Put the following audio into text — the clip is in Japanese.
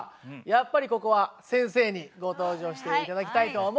やっぱりここは先生にご登場して頂きたいと思います。